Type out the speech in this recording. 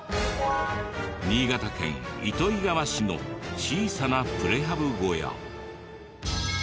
新潟県糸魚川市の小さなプレハブ小屋。